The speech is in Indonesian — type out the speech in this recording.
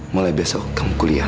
mulai besok kamu kuliah